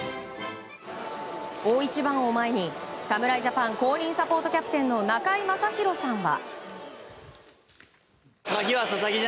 大一番を前に侍ジャパン公認サポートキャプテンの中居正広さんは。